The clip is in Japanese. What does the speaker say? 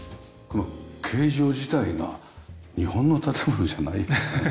この形状自体が日本の建物じゃない。